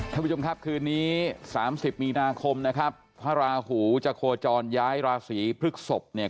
ท่านผู้ชมครับคืนนี้สามสิบมีนาคมนะครับพระราหูจะโคจรย้ายราศีพฤกษพเนี่ย